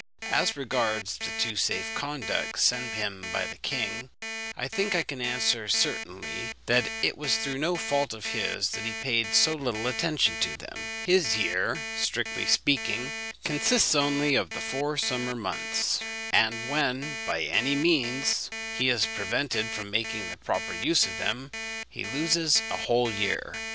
As regards the two safe conducts sent him by the king, I think I can answer certainly that it was through no fault of his that he paid so little attention to them. His year, strictly speaking, consists only of the four summer months; and when by any means he is prevented from making the proper use of them, he loses a whole year.